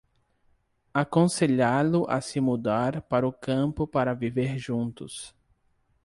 Aconselhá-lo a se mudar para o campo para viver juntos